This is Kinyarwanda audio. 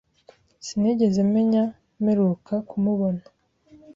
Sinigeze menya mperuka kumubona.